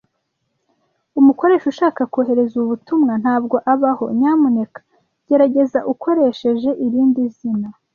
Umukoresha ushaka kohereza ubu butumwa ntabwo abaho. Nyamuneka gerageza ukoresheje irindi zina.